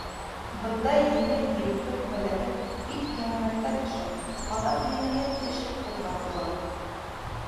Бындай еңел-елпелек бәләһе бик ҡиммәткә төшә, аҙаҡ енәйәт эше ҡуҙғатыла.